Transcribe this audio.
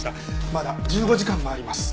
まだ１５時間もあります。